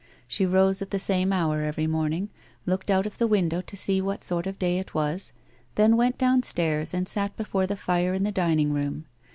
She rose at the same hour every morning, looked out of the window to sefi what sort of I lay it was, then went downstairs and sat before the fire in the dining room.